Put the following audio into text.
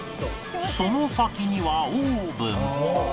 その先にはオーブン